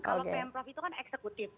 kalau pemprov itu kan eksekutif